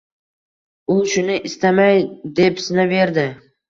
U shuni istamay depsinaverdi.